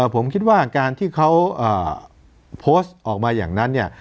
ผมคิดว่าการที่เขาโพสต์ออกมาอย่างนั้นเนี่ย